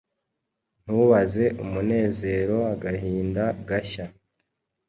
Ntubaze umunezeroAgahinda gashya